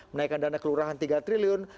menaikkan dana kelurahan tiga triliun